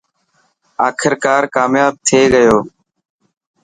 آخرڪار ڪامياب ٿي گيو.